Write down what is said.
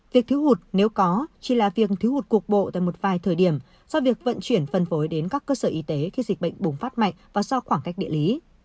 việc thiếu hụt nếu có chỉ là việc thiếu hụt cục bộ tại một vài thời điểm do việc vận chuyển phân phối đến các cơ sở y tế khi dịch bệnh bùng phát mạnh và do khoảng cách địa lý